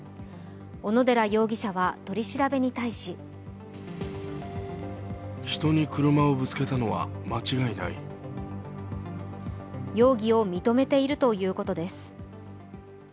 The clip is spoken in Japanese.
小野寺容疑者は取り調べに対し容疑を認めているということです。